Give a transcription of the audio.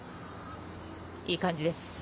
いい感じです。